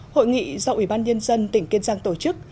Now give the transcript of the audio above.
hội nghị do ủy ban nhân dân tỉnh kiên giang tổ chức